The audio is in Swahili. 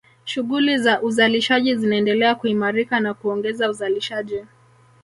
Shughuli za uzalishaji zinaendelea kuimarika na kuongeza uzalishaji